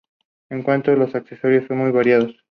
En cuanto a los accesorios son muy variados.